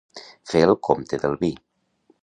Fer el compte del vi.